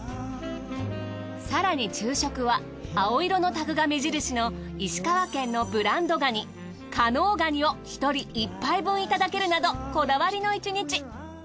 更に昼食は青色のタグが目印の石川県のブランドガニ加能ガニを１人１杯分いただけるなどこだわりの１日。